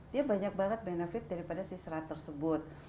dia banyak banget benefit daripada si serat tersebut